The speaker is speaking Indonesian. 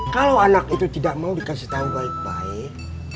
kalau anak itu tidak mau dikasih tahu baik baik